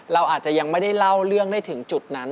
เราอาจจะยังไม่ได้เล่าเรื่องได้ถึงจุดนั้น